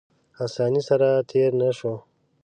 اسانۍ سره تېر نه شو.